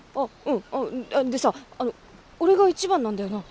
うんでさあの俺が一番なんだよな？